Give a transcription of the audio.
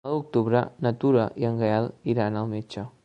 El nou d'octubre na Tura i en Gaël iran al metge.